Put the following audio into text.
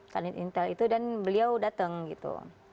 kanit intel itu dan beliau datang gitu